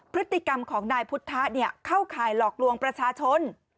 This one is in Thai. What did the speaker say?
พฤติกรรมของนายพุทธะเข้าข่ายหลอกลวงประชาชน